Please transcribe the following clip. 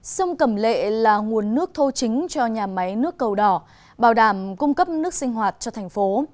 sông cẩm lệ là nguồn nước thô chính cho nhà máy nước cầu đỏ bảo đảm cung cấp nước sinh hoạt cho thành phố